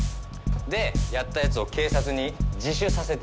でやった奴を警察に自首させてさ。